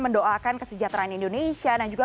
mendoakan kesejahteraan indonesia dan juga